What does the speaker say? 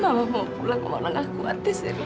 mama mau pulang mama nggak kuat dewi